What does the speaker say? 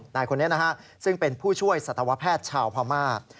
นายคนนี้นะครับซึ่งเป็นผู้ช่วยสตแพทย์ชาวพามาร์ด